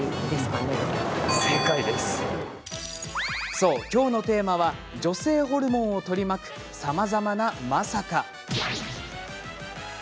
そう、今日のテーマは女性ホルモンを取り巻くさまざまな、まさか。